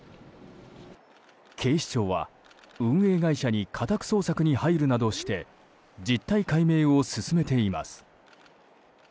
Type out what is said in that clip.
警視庁は運営会社に家宅捜索に入るなどして実態解明を進めています。